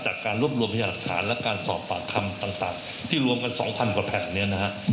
จากการรวบรวมพิจารณ์ฐานและการสอบบาดคำต่างต่างที่รวมกันสองพันกว่าแผลแบบเนี้ยนะฮะ